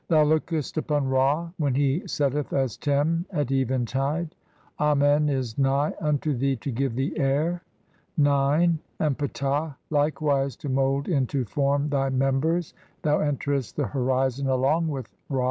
Thou lookest "upon Ra when he setteth as Tem at eventide. Amen "is nigh unto thee to give thee air, (9) and Ptah like wise to mould into form thy members, thou enterest "the horizon along with Ra.